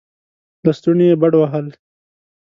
لستوڼې يې بډ ووهل.